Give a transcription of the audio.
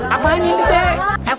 apaan ini kak